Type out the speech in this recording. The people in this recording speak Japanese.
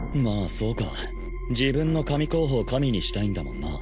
そうか自分の神候補を神にしたいんだもんな